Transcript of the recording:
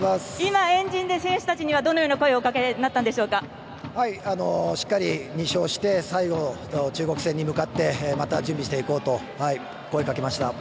今、選手たちにはどんな声をおかしっかり２勝して最後中国戦に向かってまた準備していこうと声をかけました。